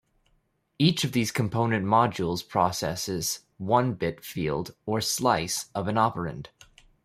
Each of these component modules processes one bit field or "slice" of an operand.